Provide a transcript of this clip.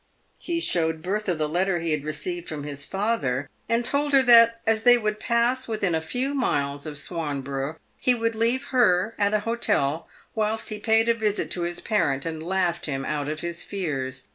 He showed Bertha the letter he had received from his father, and told her that, as they would pass within a few miles of Swanborough, he would leave her at an hotel whilst he paid a visit to his parent and laughed him out of his fears.